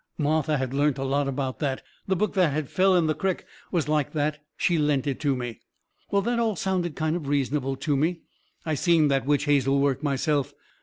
Martha had learnt a lot about that. The book that had fell in the crick was like that. She lent it to me. Well, that all sounded kind of reasonable to me. I seen that witch hazel work myself.